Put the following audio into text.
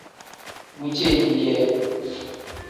Bu ceeni kee.